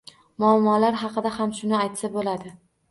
Muammolar haqida ham shuni aytsa bo‘ladi.